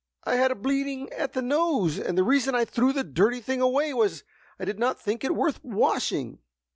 "I had a bleeding at the nose, and the reason I threw the dirty thing away, was, I did not think it worth washing!"